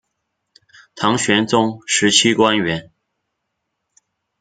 唐玄宗时期官员。